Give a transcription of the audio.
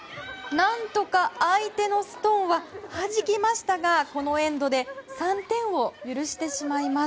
何とか相手のストーンははじきましたがこのエンドで３点を許してしまいます。